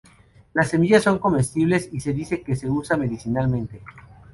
Las semillas son comestibles y se dice que se usa medicinalmente.